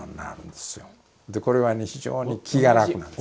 これはね非常に気が楽なんですね。